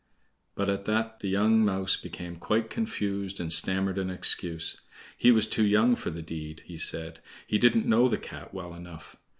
But at that the young mouse became quite confused and stammered an excuse. He was too young for the deed, he said. He didn't know the Cat well enough.